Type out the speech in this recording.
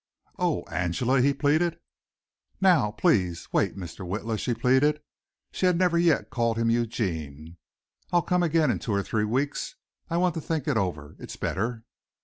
"Oh, Angela," he pleaded. "Now, please wait, Mr. Witla," she pleaded. She had never yet called him Eugene. "I'll come again in two or three weeks. I want to think it over. It's better."